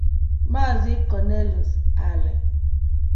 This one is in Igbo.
Maazị Cornelius Ali